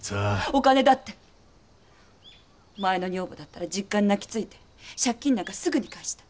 お金だって前の女房だったら実家に泣きついて借金なんかすぐに返した。